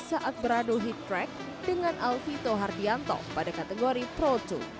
saat beradu heat track dengan alvito hardianto pada kategori pro dua